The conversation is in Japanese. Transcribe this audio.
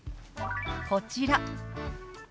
こちら。